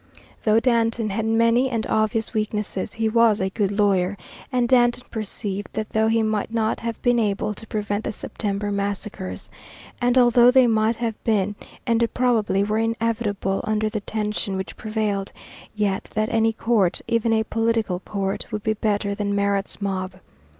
Though Danton had many and obvious weaknesses he was a good lawyer, and Danton perceived that though he might not have been able to prevent the September massacres, and although they might have been and probably were inevitable under the tension which prevailed, yet that any court, even a political court, would be better than Marat's mob.